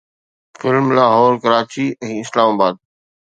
film Lahore, Karachi ۽ اسلام آباد